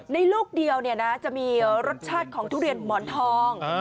ในลูกเดียวเนี่ยนะจะมีรสชาติของทุเรียนหมอนทอง